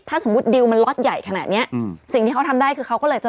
ถ้าสมมุติดิวมันล็อตใหญ่ขนาดเนี้ยอืมสิ่งที่เขาทำได้คือเขาก็เลยจะ